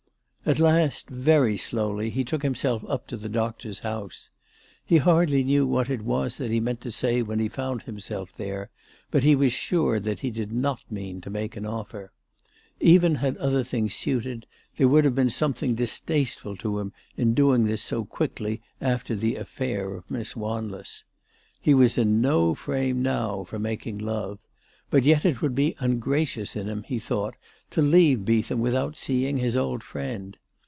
At last, very slowly, he took himself up to the doctor's house. He hardly knew what it was that he meant to say when he found himself there, but he was sure that he did not mean to make an offer. Even had other things suited, there would have been something distasteful to him in doing this so quickly after the affair of Miss Wanless. He was in no frame now for making love ; but yet it would be ungracious in him, he thought, to leave Beetham without seeing his old friend.